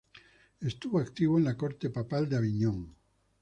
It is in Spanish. Estuvo activo en la corte papal de Aviñón.